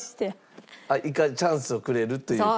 チャンスをくれるという事。